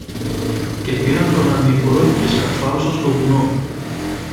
Και πήραν τον ανήφορο και σκαρφάλωσαν στο βουνό.